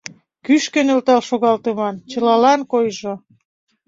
Кӱшкӧ нӧлтал шогалтыман, чылалан койжо.